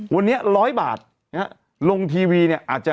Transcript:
วันนี้๑๐๐บาทลงทีวีเนี่ยอาจจะ